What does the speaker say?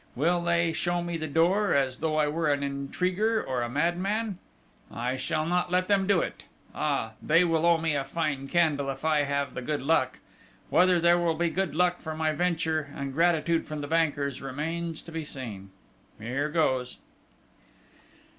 Will they show me the door, as though I were an intriguer or a madman?... I shall not let them do it!... Ah, they will owe me a fine candle if I have the good luck.... Whether there will be good luck for my venture, and gratitude from the bankers, remains to be seen.... Here goes!..."